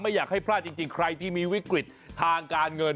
อยากให้พลาดจริงใครที่มีวิกฤตทางการเงิน